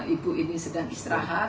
ibu ini sedang istirahat